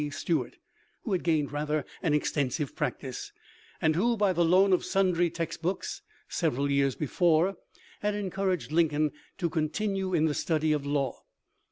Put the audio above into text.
Stuart, who had gained rather an exten sive practice, and who, by the loan of sundry text books several years before, had encouraged Lin coln to continue in the study of law.